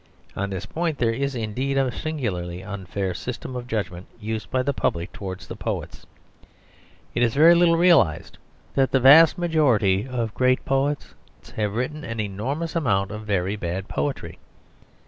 On this point there is indeed a singularly unfair system of judgment used by the public towards the poets. It is very little realised that the vast majority of great poets have written an enormous amount of very bad poetry.